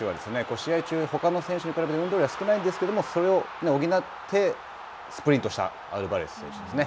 試合中、他の選手に比べて運動量は少ないんですけどそれを補ってスプリントしたアルバレス選手ですね。